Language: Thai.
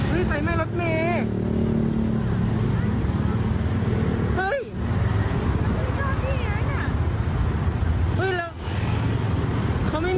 รถไฟไม่รับเมฮ้ยเขาไม่มีนี่เหรอถังตะเพิง